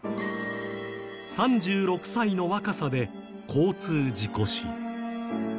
３６歳の若さで交通事故死。